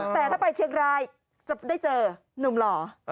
แต่ถ้าไปเชียงรายจะได้เจอนุ่มหล่อ